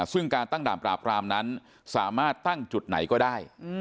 ซึ่งการตั้งด่านปราบรามนั้นสามารถตั้งจุดไหนก็ได้